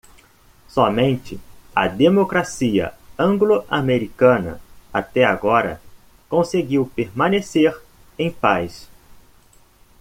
Somente a democracia anglo-americana, até agora, conseguiu permanecer em paz.